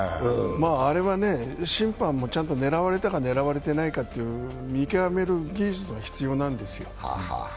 あれは審判もちゃんと狙われたか、狙われていないかという見極める技術も必要なんですよ。